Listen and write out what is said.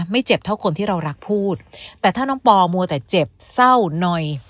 เจ็บเท่าคนที่เรารักพูดแต่ถ้าน้องปอมัวแต่เจ็บเศร้าหน่อย